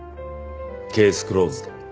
ケースクローズド。